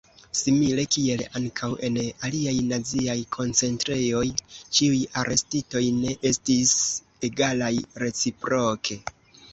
Simile kiel ankaŭ en aliaj naziaj koncentrejoj ĉiuj arestitoj ne estis egalaj reciproke.